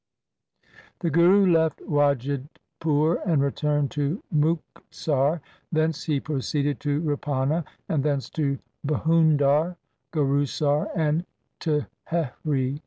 The Guru left Wajidpur and returned to Muktsar. Thence he proceeded to Rupana and thence to Bhundar, Gurusar, and Thehri.